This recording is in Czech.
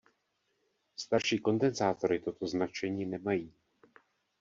Starší kondenzátory toto značení nemají.